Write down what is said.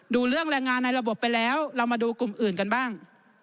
ดูเรื่องแรงงานในระบบไปแล้วเรามาดูกลุ่มอื่นกันบ้าง